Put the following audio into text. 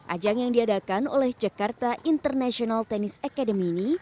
ajang yang diadakan oleh jakarta international tenis academy ini